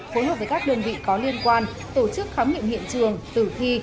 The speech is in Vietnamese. phối hợp với các đơn vị có liên quan tổ chức khám nghiệm hiện trường tử thi